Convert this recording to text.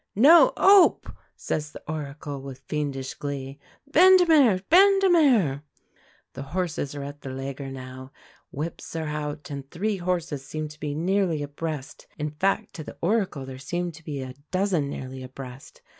"No 'ope!" says the Oracle, with fiendish glee. "Bendemeer! Bendemeer!" The horses are at the Leger stand now, whips are out, and three horses seem to be nearly abreast; in fact, to the Oracle there seem to be a dozen nearly abreast.